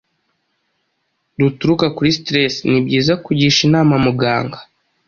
ruturuka kuri stress. Ni byiza kugisha inama muganga